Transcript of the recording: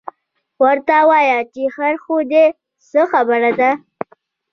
ورته وایي چې خیر خو دی، څه خبره ده؟